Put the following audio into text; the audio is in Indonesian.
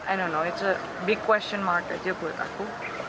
i don't know it's a big question mark aja buat aku